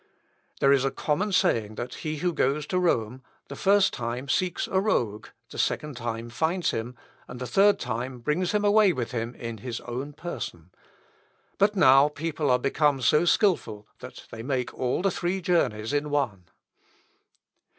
"There is a common saying, that he who goes to Rome, the first time seeks a rogue, the second time finds him, and the third time brings him away with him in his own person; but now people are become so skilful, that they make all the three journeys in one."